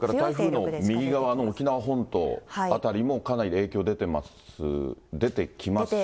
それから台風の右側の沖縄本島辺りも、かなり影響出てます、出てきますし。